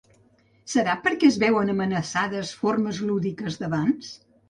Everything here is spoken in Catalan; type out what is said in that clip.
Serà per què es veuen amenaçades formes lúdiques d’abans?